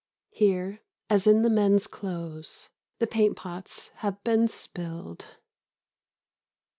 Here, as in the men's clothes, the paint pots have been spilled.